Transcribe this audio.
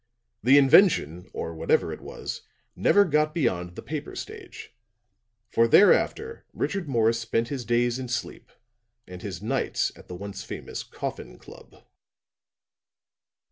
The invention, or whatever it was, never got beyond the paper stage; for thereafter Richard Morris spent his days in sleep and his nights at the once famous Coffin Club.'"